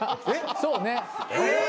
そうね。